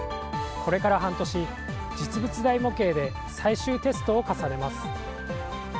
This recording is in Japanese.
これから半年、実物大模型で最終テストを重ねます。